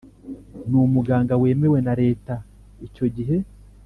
N Umuganga Wemewe Na Leta Icyo Gihe